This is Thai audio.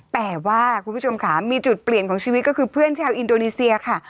แต่ว่าคุณผู้ชมค่ะมีจุดเปลี่ยนของชีวิตก็คือเพื่อนชาวอินโดนีเซียค่ะ